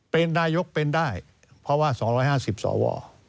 เป็นนายกเป็นได้เพราะว่า๒๕๐สว